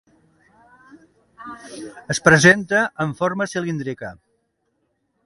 Es presenta amb forma cilíndrica.